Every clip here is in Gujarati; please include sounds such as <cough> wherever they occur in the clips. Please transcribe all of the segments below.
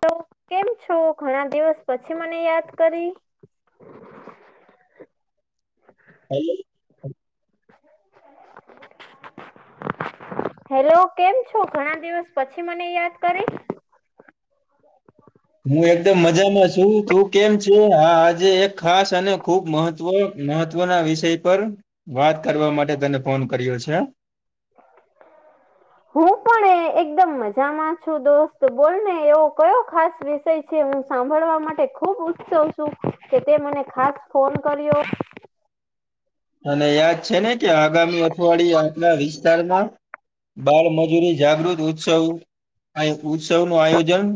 તો કેમ છો ઘણા દિવસ પછી મને યાદ કરી? <inaudible> <inaudible> <inaudible> હેલો કેમ છો ઘણા દિવસ પછી મને યાદ કરી? હું એકદમ મજામાં છું તું કેમ છે હા આજે એક ખાસ અને ખુબ મહત્વ મહત્વના વિષય પર વાત કરવા માટે તેને ફોન કર્યો છે. હું પણ? એકદમ મજામાં છું દોસ્ત બોલને એવો કયો ખાસ વિષય છે હું સાંભળવા માટે ખૂબ ઉત્સવ છું કે તે મને ખાસ ફોન કર્યો. અને યાદ છે ને કે આગામી અઠવાડિય આપના વિસ્તારમાં બાળમજૂરી જાગૃત ઉત્સવ ઉત્સવ નું આયોજન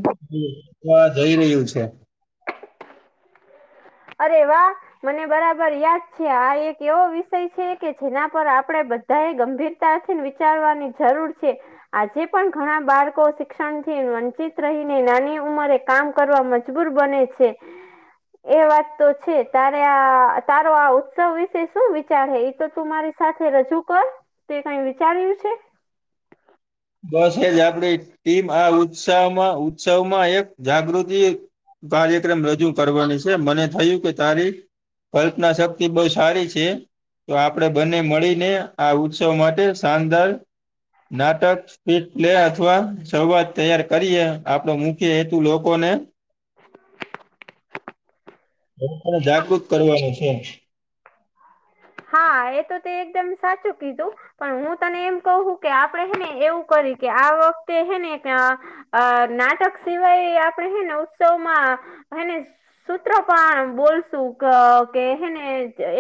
તો આ જઈ રહ્યું છે. અરે વા. મને બરાબર યાદ છે આ એક એવો વિષય છે કે જેના પર આપડે બધ એ ગંભીરતાથી વિચારવાની જરૂર છે. આજે પણ ઘણા બાળકો શિક્ષણ થી વંચિત રહીને નાની ઉંમરે કામ કરવા મ મજબુર બને છે. એ વાત તો છે તારે આ તારો આ ઉત્સવ વિશે શું વિચાર હ એ તો તું મારે સાથે રજૂ કર તે કઈ વિચાર્યું છે. બસ એજ આપડી ટીમ આ ઉત્સાહમાં ઉત્સવમાં એક જાગૃતિ કાર્યક્રમ રજૂ કરવાની છે મને થયું કે તારી કલ્પના શક્તિ બહુ સારી છે. તો આપણેે બંને મળીને આ ઉત્સવ માટે શાનદાર નાટક પલે અથવા શવાદ તૈયાર કરીએ આપડો મુખ્ય હેતુ લોકોને <inaudible> એને જાગૃત કરવાનું છે. હા એ તો તે એકદમ સાચું કીધું. પણ હું તને એમ કવ કે આપડે હેને એવું કરી કે આ વખતે હેને અ નાટક સિવાય આપડણે હેને ઉત્સવમાં હેને સૂત્ર પણ બોલશું કે, હને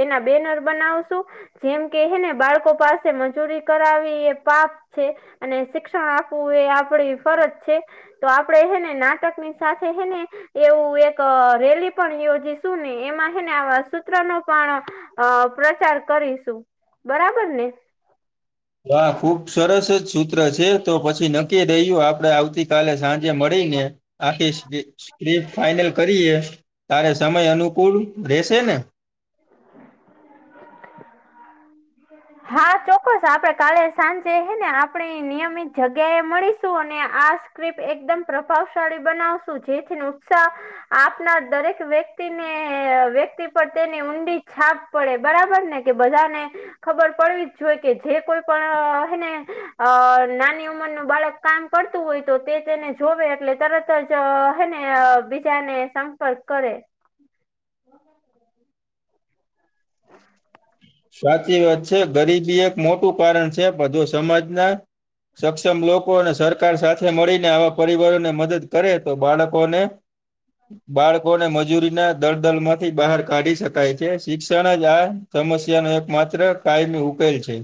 એના બેનર બનાવશું. જેમ કે, હે ને બાળકો પાસે મજૂરી કરાવી એ પાપ છે, અને શિક્ષણ આપવું એ આપડી ફરજ છે. તો આપડણે હેને નાટકની સાથે હેને એવું એક રેલી પણ યોજીશું ને, એમાં હ ને આવા સૂત્ર નો પણ અ પ્રચાર કરીશું બરાબર ને. હા, ખુબ સરસ જ સૂત્ર છે. તો પછી નક્કી રહ્યું, આપડે આવતી કાલે સાંજે મળીને. આખી સ્ક્રીપ ફાઈનલ કરીએ. તારે સમય અનુકૂળ રહેશે ને? હા, ચોક્કસ. આપડે કાલે સાંજે, હે ને આપણે નિયમિત જગ્યા એ મળીશું અને આ એકદમ પ્રભાવશાળી બનાવશું, જેથી ઉત્સાહ આપના દરેક વ્યક્તિને વ્યક્તિ પર તેની ઊંડી છાપ પડે બરાબર ને, કે બધાને ખબર પડવી જ જોઈ કે જે કોઈ પણને અ નાની ઉંમરનું બાળક કામ કરતું હોય તો, તે તેને જોવે એટલે તરત તો જો, હે ને બીજાને સંપર્ક કરે સાચી વાત છે, ગરીબી એક મોટું કારણ છે બધો સમાજના સક્ષમ લોકો અને સરકાર સાથે મળીને આવા પરિવારોને મદદ કરે, તો બાળકોને બાળકો ને મજૂરી ના દળદલ માંથી બહાર કાઢી શકાય છે. શિક્ષણ જ આ સમસ્યા નો એક માત્ર કાયમી ઉકેલ છે.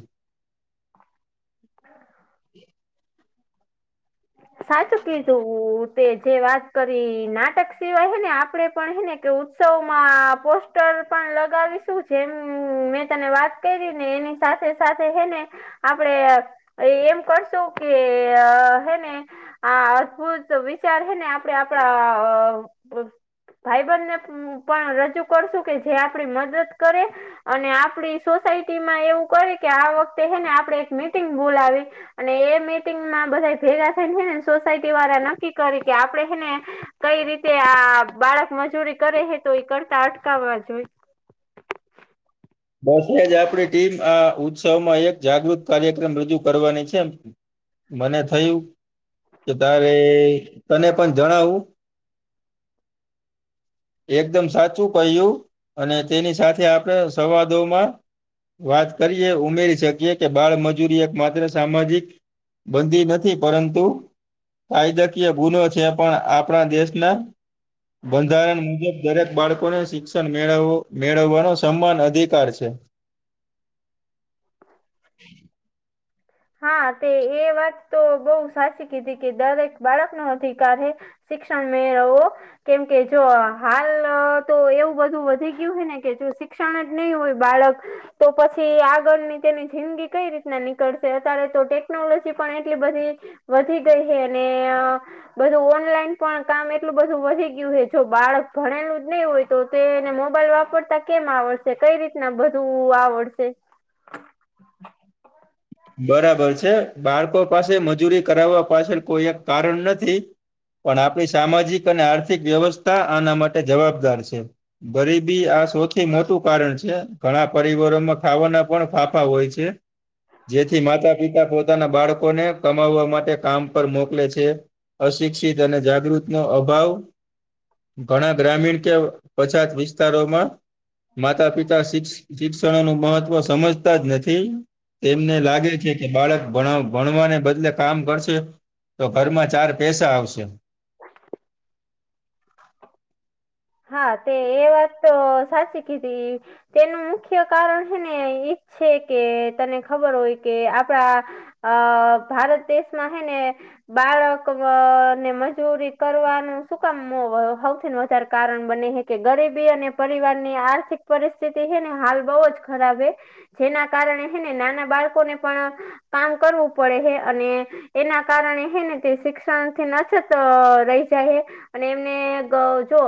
સાચું કહું. જે વાત કરી, નાટક સિવાય હે ને આપે પણ, હેને કે ઉત્સવમાં પોસ્ટ રહે, પણ લગાવીશું. જેમ મેં તને વાત કરી ને, એની સાથે સાથે એને આપડે એમ કરશું કે, હે આ અદભુત વિચાર છે ને, આપણે આપણા ભાઈબંધ ને પણ રજૂ કશું કે જે આપણી મદદ કરે. અને આપડી સોસાયટી માં એવું કરે કે, આ વખતે હેને આપડે એક મીટિંગ બોલાવી અને એ મીટિંગમાં બધા ભેગા થઈને, છેને, સોસાયટી વાળા નક્કી કરી કે આપડે એને કઈ રીતે આ બાળક મજૂરી કરે હે, તો એ કરતા અટકાવવા જોઈએ. બસ, એજ આપડી ટીમ આ ઉત્સવમાં એક જાગૃત કાર્યક્રમ રજૂ કરવાની છે એમ. મને થયું. તો તારે તને પણ જણાવું. એકદમ સાચું કહ્યું, અને તેની સાથે આપડે સંવાદો માં વાત કરીએ, ઉમેરી શકીએ કે બાળમજૂરી એક માત્ર સામાજિક બંધી નથી, પરંતુ કાયદાકીય ગુનો છે, પણ આપણા દેશના બંધારણ મુજબ, ઘરે બાળકોને શિક્ષણ મેળવવું મેળવવાનો સન્માન હજુ બેિકાર છે. હા, તે એ વાત તો બઉુ સાચી કીધી કે દરેક બાળક નો અધિકાર હે. શિક્ષણ મેળવવું કેમ કે, જો હાલ તો એવું બધું વધી ગયું હોય ને કે, જો શિક્ષણ જ નહીં હોય બાળક તો પછી આગળની તેની જિંદગી કઈ રીતના નીકળશે. અત્યારે તો ટેકનોલોજી પણ એટલી બધી વધી ગઈ છે, અને બધું ઓનલાઈન પણ કામ એટલું બધું વધી ગયું હોય, જો બાળક ભણેલું જ નહીં હોય તો તેને મોબાઈલ વાપરતા કેમ આવડશે? કઈ રીતના બધું આવડશે? બરાબર છે, બાળકો પાસે મજૂરી કરાવવા પાછળ કોઈ એક કારણ નથી. પણ આપણી સામાજિક અને આર્થિક વ્યવસ્થા આના માટે જવાબદાર છે. ગરીબી આ સૌથી મોટું કારણ છે. ઘણા પરિવારોમાં ખાવાના પણ ફાફા હોય છે. જેથી માતા-પિતા પોતાના બાળકોને કમાવવા માટે કામ પર મોકલે છે. અશિક્ષિત અને જાગૃત નો અભાવ ઘણા ગ્રામીણ કે પછાત વિસ્તારોમાં માતા પિતા શ શિક્ષણ નું મહત્વ સમજતા જ નથી તેમને લાગે છે કે બાળક ભણ ભણવાને બદલે કામ કરશે તો ઘરમાં ચાર પૈસા આવશે હા તે એ વાત તો સાચી કીધી તેનું મુખ્ય કારણ છે ને ઈ છે કે તને ખબર હોય કે આપણા અ ભારત દેશમાં હૈ ને બાળક ને મજૂરી કરવાનું શું કામ હોઉ છેને વધારે કારણ બને હ કે ગરીબી અને પરિવાર ની આર્થિક પરિસ્થિતિ છે ને હાલ બહુ જ ખરાબ હ જેના કારણે હેને નાના બાળકોને પણ કામ કરવું પડે હે અને એના કારણે હ ને તે શિક્ષણથી નછત અ રહી જાય અને એમને ગ જો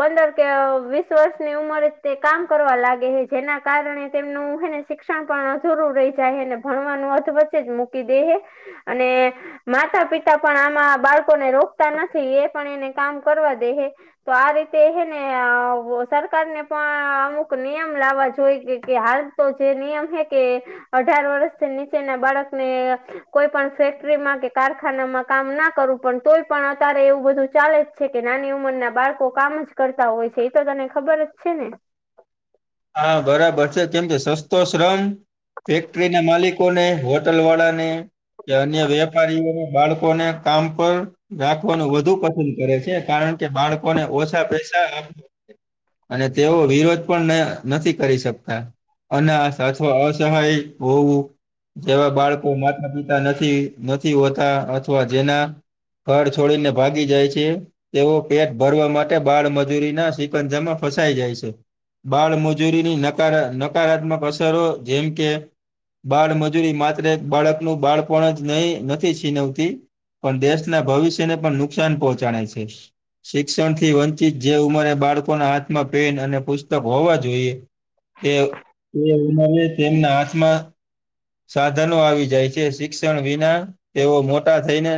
પંદર કે વીસ વર્ષની ઉંમરે તે કામ કરવા લાગે છે જેના કારણે તેમનું હેને શિક્ષણ શિક્ષણ પણ જરૂર રહી જાયને ભણવાનું અથ વચ્ચે જ મૂકી દે હ અને માતા પિતા પણ આમાં બાળકોને રોકતા નથી એ પણ એને કામ કરવા દે હે તો આ રીતે એ ને સરકારને પણ અમુક નિયમ લાવવા જોઈ કે કે હાલ તો જે નિયમ હે કે અઢાર વર્ષથી નીચેના બાળકને કોઈ પણ ફેક્ટરીમાં કે કારખાનામાં કામ ના કરું પણ તોય પણ અત્યારે એવું બધું ચાલે છે કે નાની ઉંમર ના બાળકો કામ જ કરતા હોય છે એ તો તને ખબર જ છે ને હા બરાબર છે કેમ કે સસ્તો શ્રમ ફેક્ટરી ના માલિક ને હોટલ વાળાને કે અન્ય વેપારીઓને બાળકોને કામ પર રાખવાનું વધુ પસંદ કરે છે કારણ કે બાળકોને ઓછા પૈસા આપ અને તેઓ વિરોધ પણ નથી કરી શકતા અને અથવા અસહાય હોવું જેવા બાળકો માતા પિતા નથી નથી હોતા અથવા જેના ઘર છોડીને ભાગી જાય છે. તેઓ પેટ ભરવા માટે બાળમજૂરીના સિકજામાં ફસાઈ જાય છે બાળમજ મજૂરીની નકા નકારાત્મક અસરો જેમ કે બાળમજૂરી માત્ર બાળકનું બાળપ જ નહી નથી છીનવતી પણ દેશના ભવિષ્યને પણ નુકસાન પહોંચાડાય છે શિક્ષણ થી વંચિત જે ઉંમરે બાળકોના હાથમાં પેન અને પુસ્તક હોવા જોઈએ તે ઉંમરે તેના હાથમાં સાધનો આવી જાય છે શિક્ષણ વિના તેઓ મોટા થઈને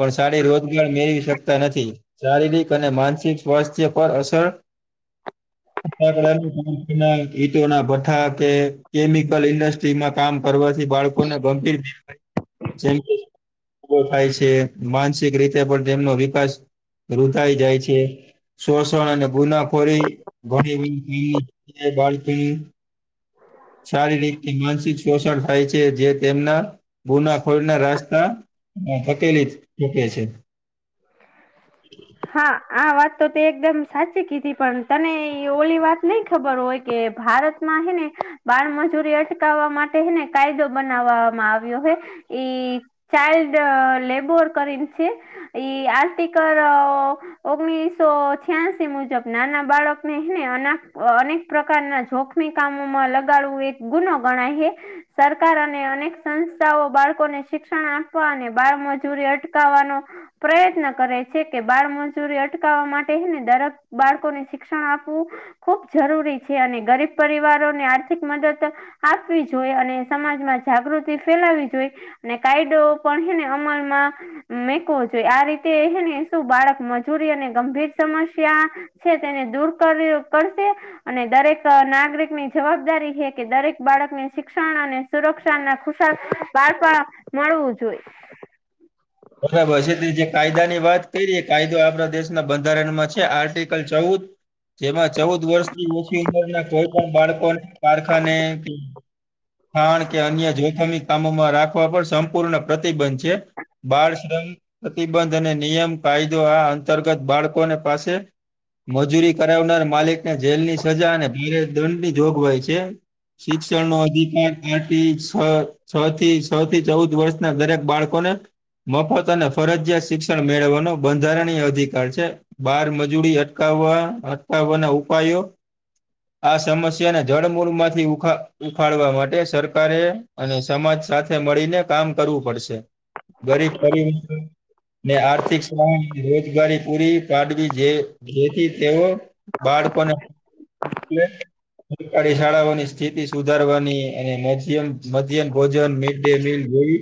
પણ સારી રોજગાર મેળવી શકતા નથી શારીરિક અને માનસિક સ્વાસ્થ્ય પર અસર ના ગીતો ના ભથા કે કેમિકલ ઇન્ડસ્ટ્રીમાં કામ કરવાથી બાળકોને ગંભીર જે ઉભો થાય છે માનસિક રીતે પણ તેમનો વિકાસ રુધાઈ જાય છે શોષણ અને ગુનાખોરી ઘણી બાળકી શારીરિક કે માનસિક શોષણ થાય છે જે તેમના ગુના ખોળ ના રાસ્તા ધકેલી શકે છે. હા આ વાત તો તે એકદમ સાચી કીધી પણ તને ઓલી વાત નઈ ખબર હોય કે ભારતમાં હેને બાળમજૂરી અટકાવવા માટેને કાયદો બનાવવામાં આવ્યો હ ઈ ચાઇલ્ડ લેબર કરીને છે ઈ આર્ટિકલ ઓગણીસો છ્યાસી મુજબ નાના બાળક હેને અને પ્રકારના જોખમી કામોમાં લગાડવું એક ગુનો ગણાય છે સરકાર અને અનેક સંસ્થાઓ બાળકોને શિક્ષણ આપવા અને બાળમજૂરી અટકાવવાનો પ્રયત્ન કરે છે. કે બાળ મજૂરી અટકાવવા માટે હેને દરેક બાળકોને શિક્ષણ આપવું ખુબ જરૂરી છે અને ગરીબ પરિવારોને આર્થિક મદદ આપવી જોઈ અને સમાજમાં જાગૃતિ ફેલાવી જોઈ ને કાયદો પણ હેને અમલમાં મેકવો જોઈએ આ રીતે હેને શું બાળક મજૂરી અને ગંભીર સમસ્યા છે તેને દૂર કર કરશે. અને દરેક નાગરિક ની જવાબદારી છે કે દરેક બાળકને શિક્ષણ અને. તો રક્ષણના ખુશા બાળપણ મળવું જોઈ. એટલે પછે તે જે કાયદાની વાત કરી એ કાયદો આપણા દેશના બંધારણમાં છે આર્ટિકલ ચૌદ જેમાં ચૌદ વર્ષથી ઓછી ઉંમરના કોઈ પણ બાળકોને કારખાને કે ખાણ કે અન્ય જોખમી કામોમાં રાખવા પણ સંપૂર્ણ પ્રતિબંધ છે. બાળશ્રમ, પ્રતિબંધ અને નિયમ કાયદો આ અંતર્ગત બાળકોને પાસે મજૂરી કરાવનાર માલિકને જેલની સજા અને ભીરે દંડની જોગવાઈ છે. શિક્ષણનો અધિકાર <inaudible> છ થી સ થી ચૌદ વર્ષના દરેક બાળકોને મફત અને ફરજિયાત શિક્ષણ મેળવવાનો બંધારણીય અધિકાર છે. બાર મજૂરી અટકાવવા અટકાવવાના ઉપાયો આ સમસ્યાને જળમૂળમાંથી ઉખા ઉખાડવા માટે સરકારે અને સમાજ સાથે મળીને કામ કરવું પડશે. ગરીબ પરીવાર ને આર્થિક સહાય રોજગારી પૂરી પાડવી જે જેથી તેઓ બાળકોને <inaudible> સરકારી શાળાઓની સ્થિતિ સુધારવાની એને નેચિયન મધ્યન ભોજન ડેલી <inaudible>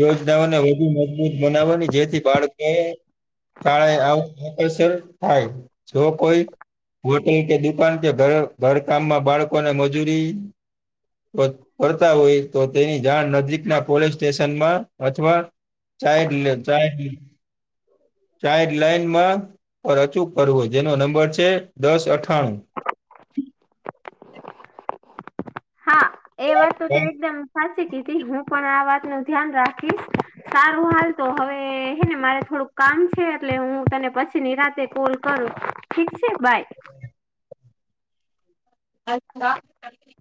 યોજનાઓને વધુ મજબૂત બનાવવાની જેથી બાળકે કાળે આવું મોકલ સર થાય જો કોઈ હોટેલ કે દુકાન કે ઘર ઘર કામમાં બાળકોને મજૂરી તો કરતા હોય તો તેની જાણ નજીકના પોલીસ સ્ટેશનમાં અથવા ચાઈડલ ચાઈલ્ડ ચાઈડ લાઇનમાં પર અચૂક કરવો જેનો નંબર છે દસ અઠ કમ હા એ વાત તો તે એકદમ સાચી કીધી હું પણ આ વાતનું ધ્યાન રાખીશ. સારું હાલ તો હવે હે ને મારે થોડુંક કામ છે એટલે હું તને પછી નિરાંતે કોલ કરું. ઠીક સે બાય. અચ્છા <inaudible>